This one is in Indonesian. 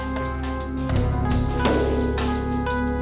hati hati ya om bagas